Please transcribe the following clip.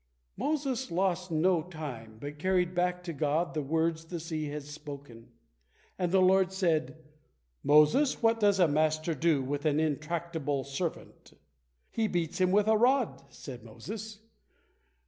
Moses lost no time, but carried back to God the words the sea has spoken, and the Lord said" "Moses, what does a master do with an intractable servant?" "He beats him with a rod," said Moses.